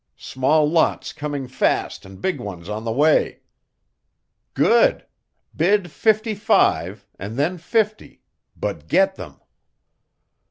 Small lots coming fast and big ones on the way." "Good! Bid fifty five, and then fifty, but get them."